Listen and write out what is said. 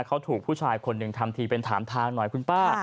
เขาถูกผู้ชายคนหนึ่งทำทีเป็นถามทางหน่อยคุณป้า